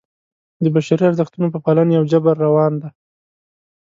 د بشري ارزښتونو په پالنې یو جبر روان دی.